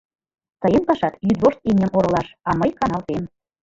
— Тыйын пашат — йӱдвошт имньым оролаш, а мый каналтем.